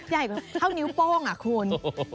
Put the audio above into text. อ๋อใหญ่เท่านิ้วโป้งอ่ะคน